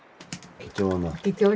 貴重な。